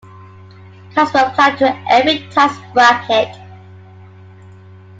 Cuts were applied to every tax bracket.